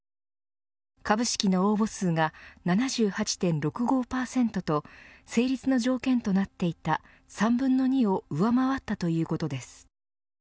株式の応募数が７８．６５％と成立の条件となっていた３分の２を上回ったということです。